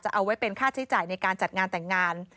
เอาไว้เป็นค่าใช้จ่ายในการจัดงานแต่งงาน